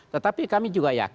tetapi kami juga ya